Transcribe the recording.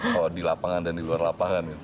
kalau di lapangan dan di luar lapangan